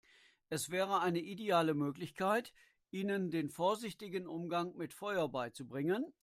Es wäre eine ideale Möglichkeit, ihnen den vorsichtigen Umgang mit Feuer beizubringen.